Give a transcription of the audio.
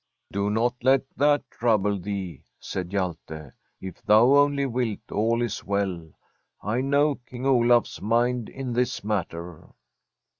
* Do not let that trouble thee,' said Hjalte. ' If thou only wilt, all is well. I know King Olaf's mind in this matter.'